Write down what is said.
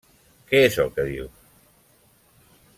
-Què és el que dius?